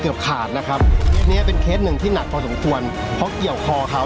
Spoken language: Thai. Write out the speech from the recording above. เกือบขาดนะครับเนี้ยเป็นเคสหนึ่งที่หนักพอสมควรเพราะเกี่ยวคอเขา